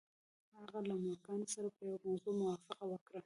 هغه له مورګان سره په یوه موضوع موافقه وکړه